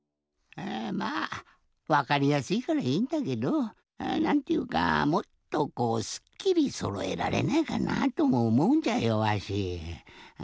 まあわかりやすいからいいんだけどなんていうかもっとこうすっきりそろえられないかなぁともおもうんじゃよわし。